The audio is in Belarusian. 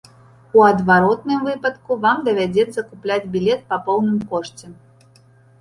У адваротным выпадку вам давядзецца купляць білет па поўным кошце.